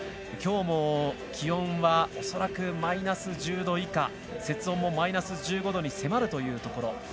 今日も気温は恐らくマイナス１０度以下雪温もマイナス１５度に迫るというところ。